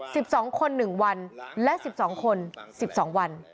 สิบสองคนหนึ่งวันและสิบสองคนสิบสองวัน